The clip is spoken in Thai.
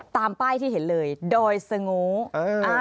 ตามป้ายที่เห็นเลยโดยสงู